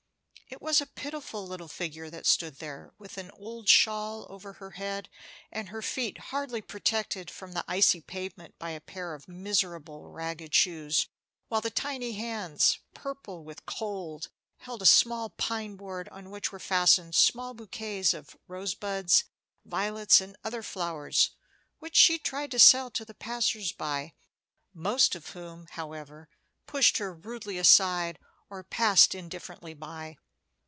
It was a pitiful little figure that stood there, with an old shawl over her head, and her feet hardly protected from the icy pavement by a pair of miserable ragged shoes, while the tiny hands, purple with cold, held a small pine board on which were fastened small bouquets of rose buds, violets, and other flowers, which she tried to sell to the passers by, most of whom, however, pushed her rudely aside or passed indifferently by.